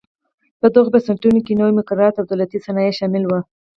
په دغو بنسټونو کې نوي مقررات او دولتي صنایع شامل و.